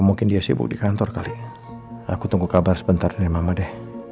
mungkin dia sibuk di kantor kali aku tunggu kabar sebentar nih mama deh